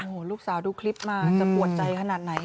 โอ้โหลูกสาวดูคลิปมาจะปวดใจขนาดไหน